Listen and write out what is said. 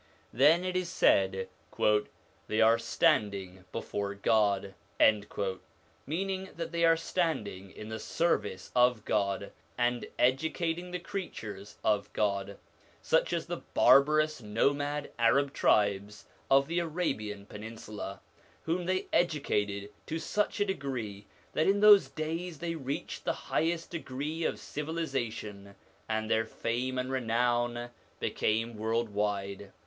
Then it is said, 'They are standing before God,' meaning that they are standing in the service of God, and educating the creatures of God, such as the bar barous nomad Arab tribes of the Arabian peninsula, whom they educated in such a way that in those days they reached the highest degree of civilisation, and their fame and renown became world wide.